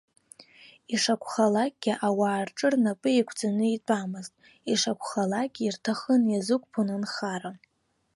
Ишакәхалакгьы, ауаа рҿы-рнапы еиқәҵаны итәамызт, ишакәхалакгьы ирҭахын, иазықәԥон анхара.